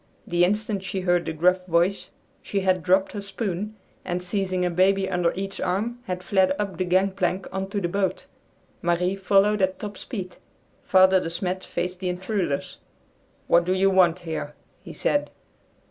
The instant she heard the gruff voice she had dropped her spoon, and, seizing a baby under each arm, had fled up the gangplank on to the boat. Marie followed at top speed. Father De Smet faced the intruders. "What do you want here?" he said.